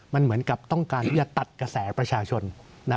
มันเหมือนกับต้องการที่จะตัดกระแสประชาชนนะ